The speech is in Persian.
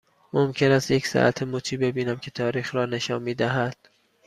ممکن است یک ساعت مچی ببینم که تاریخ را نشان می دهد؟